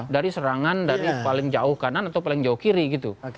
dari serangan dari paling jauh kanan atau paling jauh kiri gitu